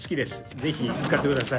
ぜひ使ってください。